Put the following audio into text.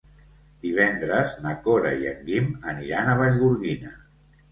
Divendres na Cora i en Guim aniran a Vallgorguina.